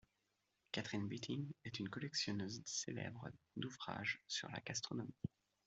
Katherine Bitting est une collectionneuse célèbre d'ouvrages sur la gastronomie.